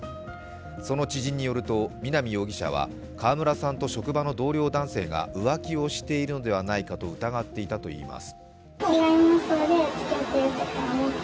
その知人によると南容疑者は川村さんと職場の同僚男性が浮気をしているのではないかと疑っていたといいます。